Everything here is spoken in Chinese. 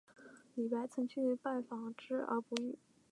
李白曾去拜访之而不遇。